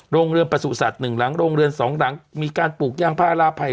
โรงเรือนประสุทธิ์หนึ่งหลังโรงเรือน๒หลังมีการปลูกยางพาราไผ่